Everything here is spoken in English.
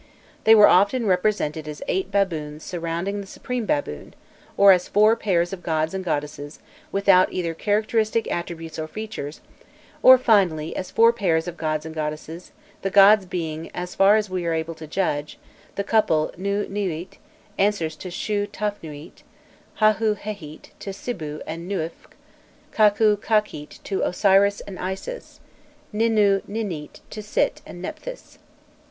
They were often represented as eight baboons surrounding the supreme baboon, or as four pairs of gods and goddesses without either characteristic attributes or features; or, finally, as four pairs of gods and goddesses, the gods being, as far as we are able to judge, the couple Nû Nûît answers to Shû Tafnûît; Hahû Hehît to Sibû and Nûîfc; Kakû Kakît to Osiris and Isis; Ninû Ninît to Sit and Nephthys.